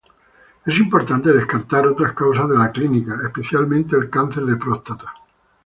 Es importante descartar otras causas de la clínica, especialmente el cáncer de próstata.